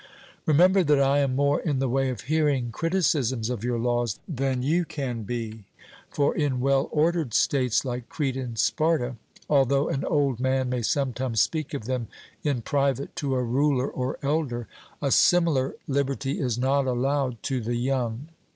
Remember that I am more in the way of hearing criticisms of your laws than you can be; for in well ordered states like Crete and Sparta, although an old man may sometimes speak of them in private to a ruler or elder, a similar liberty is not allowed to the young.